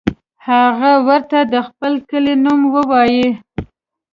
هغه ورته د خپل کلي نوم ووایه.